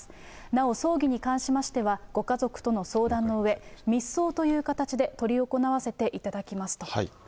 なお、葬儀に関しましては、ご家族とも相談のうえ、密葬という形で執り行わせていただきますと。